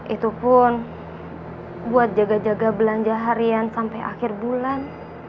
itu pun buat jaga jaga belanja harian sampai akhir bulan